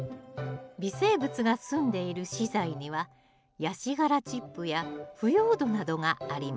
微生物がすんでいる資材にはヤシ殻チップや腐葉土などがあります。